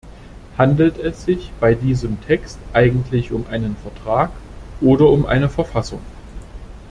Handelt es sich bei diesem Text eigentlich um einen Vertrag oder um eine Verfassung?